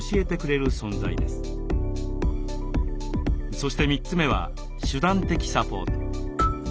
そして３つ目は手段的サポート。